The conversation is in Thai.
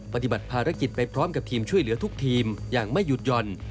ปฏิบัติภารกิจไปพร้อมกับทีมช่วยเหลือทุกทีมอย่างไม่หยุดหย่อน